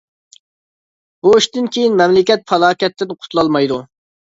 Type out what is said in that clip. بۇ ئىشتىن كېيىن مەملىكەت پالاكەتتىن قۇتۇلالمايدۇ.